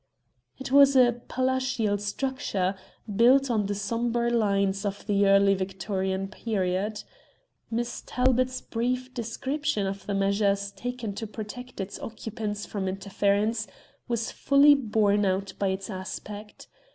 It was a palatial structure, built on the sombre lines of the Early Victorian period. Miss Talbot's brief description of the measures taken to protect its occupants from interference was fully borne out by its aspect.